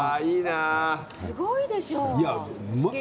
すごいでしょう。